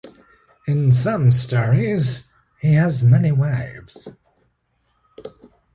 In some stories, he has many wives.